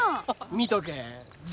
見とけえ。